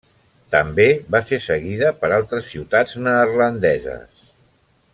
També va ser seguida per altres ciutats neerlandeses.